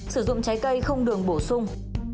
sử dụng trái cây không đường bổ sung